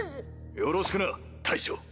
よろしくな大将。